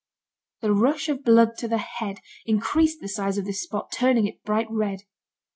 The rush of blood to the head, increased the size of this spot, turning it bright red.